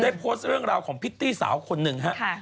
โพสต์เรื่องราวของพิตตี้สาวคนหนึ่งฮะ